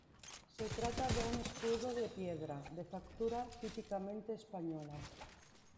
Se trata de un escudo de piedra, de factura típicamente española.